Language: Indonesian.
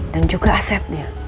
dan juga asetnya